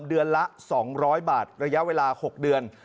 เดือนละ๒๐๐บาทระยะเวลา๖เดือน